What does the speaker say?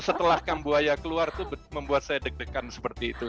setelah kambuaya keluar itu membuat saya deg degan seperti itu